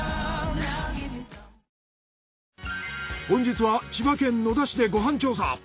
本日は千葉県野田市でご飯調査。